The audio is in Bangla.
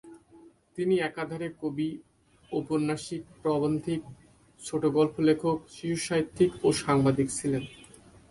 তিনি একাধারে কবি, ঔপন্যাসিক, প্রাবন্ধিক, ছোটগল্প লেখক, শিশুসাহিত্যিক এবং সাংবাদিক ছিলেন।